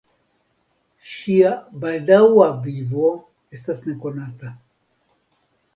Ŝia baldaŭa vivo estas nekonata.